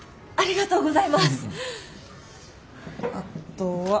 はいありがとう。